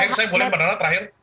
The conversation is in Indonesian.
terakhir saya boleh b nana terakhir